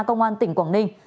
công an tỉnh quảng ninh